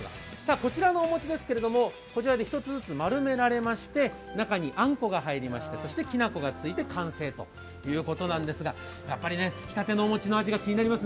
こちらのお餅ですけれども一つずつ丸められまして中にあんこが入りまして、きな粉がついて完成ということなんですがやっぱりね、つきたてのお餅の味が気になりますね。